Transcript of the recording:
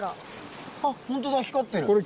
あっほんとだ光ってる。